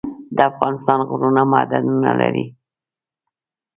د افغانستان غرونه معدنونه لري